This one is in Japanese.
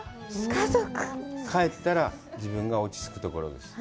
帰ったら自分が落ち着くところです。